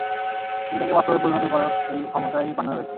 চিন্তাকে বাস্তবে পরিণত করার ক্ষমতা এই পান্নার রয়েছে।